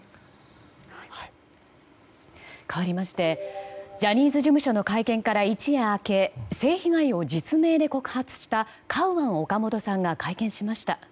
かわりましてジャニーズ事務所の会見から一夜明け性被害を実名で告発したカウアン・オカモトさんが会見しました。